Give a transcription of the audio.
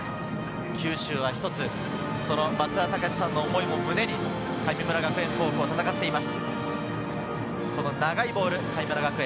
九州は一つ、松澤隆司さんの思いも胸に神村学園高校は戦っています。